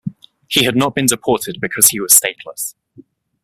He had not been deported because he was stateless.